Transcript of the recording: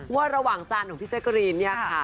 ว่าระหว่างจานของพี่แจ๊กรีนเนี่ยค่ะ